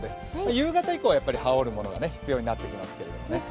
夕方以降は羽織るものが必要になってきますけれどもね。